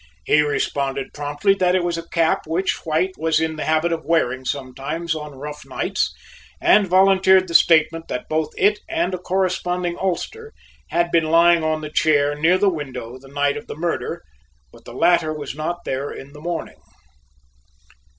He responded promptly that it was a cap which White was in the habit of wearing sometimes on rough nights and volunteered the statement that both it and a corresponding ulster had been lying on the chair near the window the night of the murder, but the latter was not there in the morning.